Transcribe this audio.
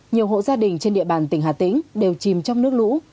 nhiều hộ gia đình trên địa bàn tỉnh hà tĩnh đều chìm trong nước lũ